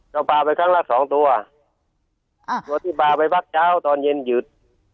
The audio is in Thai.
ก็ปลาไปครั้งละสองตัวอ่าตัวที่ปลาไปพักเช้าตอนเย็นหยุด